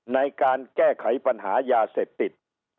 ในการแก้ไขปัญหายาเสพติด